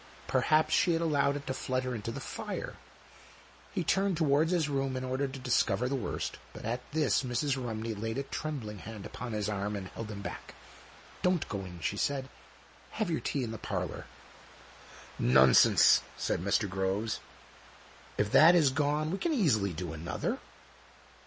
Perhaps she had allowed it to flutter into the fire. He turned towards his room in order to discover the worst, but at this Mrs. Rumney laid a trembling hand upon his arm, and held him back. " Don't go in," she said, " have your tea in the parlour." "Nonsense," said Mr. Groves, "if that is gone we can easily do another."